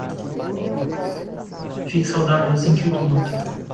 Fique saudável assim que o tomar